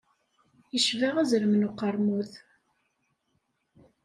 Yecba azrem n uqermud.